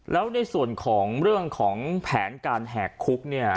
แล้วในส่วนของเรื่องของแผนการแหกคุกเนี่ย